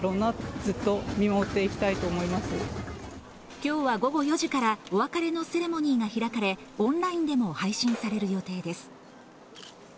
今日は午後４時からお別れのセレモニーが開かれオンラインでも配信される予定です。